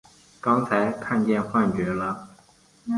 刚才看见幻觉了！